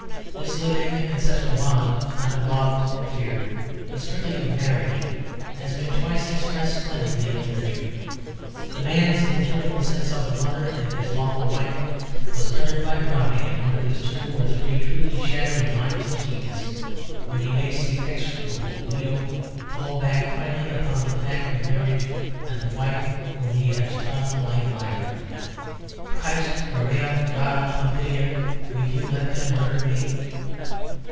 This living, ancestral bond (not of love or fear, but strictly of marriage) has been twice expressed splendidly in literature. The man's incurable sense of the mother in his lawful wife was uttered by Browning in one of his two or three truly shattering lines of genius, when he makes the execrable Guido fall back finally upon the fact of marriage and the wife whom he has trodden like mire: "Christ! Maria! God, Pompilia, will you let them murder me?"